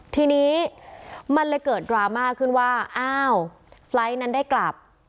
ทีนี้มันเลยเกิดดราม่าขึ้นว่าอ้าวไฟล์ทนั้นได้กลับ